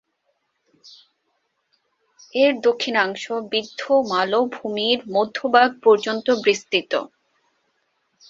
এর দক্ষিণাংশ বিন্ধ্য-মালভূমির মধ্যভাগ পর্যন্ত বিস্তৃত।